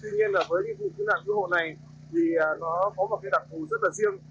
tuy nhiên là với những vụ chứng nạn nguồn hộ này thì nó có một cái đặc vụ rất là riêng